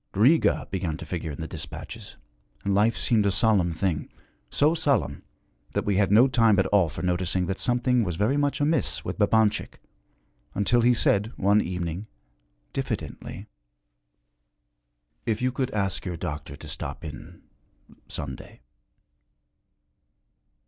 Riga began to figure in the dispatches, and life seemed a solemn thing so solemn that we had no time at all for noticing that something was very much amiss with Babanchik, until he said one evening, diffidently, 'If you could ask your doctor to stop in some day.'